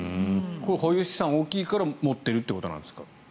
保有資産が大きいから持っているということなんですか？